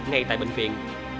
ngay tại bệnh viện